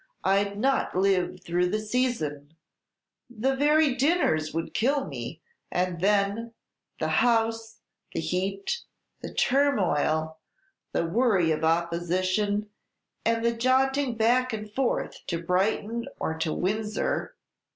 I 'd not live through the season, the very dinners would kill me; and then, the House, the heat, the turmoil, the worry of opposition, and the jaunting back and forward to Brighton or to Windsor!"